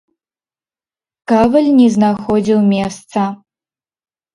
Каваль не знаходзіў месца.